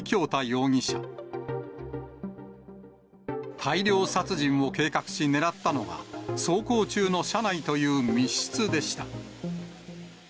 大量殺人を計画し、狙ったのは、走行中の車内という密室でした。